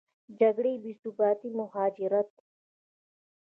جګړې، بېثباتي، مهاجرت